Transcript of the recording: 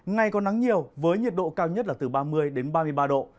ngày còn nắng nhiều với nhiệt độ cao nhất là từ ba mươi ba mươi ba độ